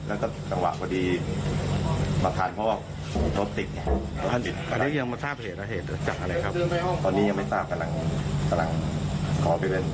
แล้วก็สังหวะพอดีมาทานเพราะว่าทุกที่ต้องติด